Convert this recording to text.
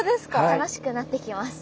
楽しくなってきます！